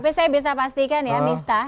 tapi saya bisa pastikan ya miftah